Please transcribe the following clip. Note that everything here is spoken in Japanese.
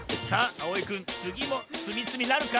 あおいくんつぎもつみつみなるか？